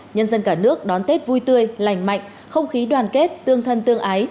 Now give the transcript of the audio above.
nhân dân cả nước đón tết vui tươi lành mạnh không khí đoàn kết tương thân tương ái